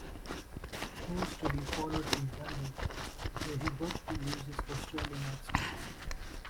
More study followed in London, where he worked to lose his Australian accent.